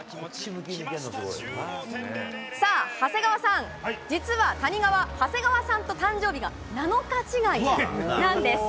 さあ、長谷川さん、実は谷川、長谷川さんと誕生日が７日違いなんです。